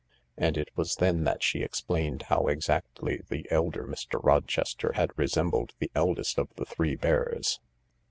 And it was then that she explained how exactly the elder Mr. Rochester had resembled the eldest of the three bears.